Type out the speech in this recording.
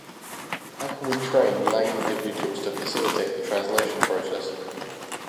How can we train lay individuals to facilitate the translation process?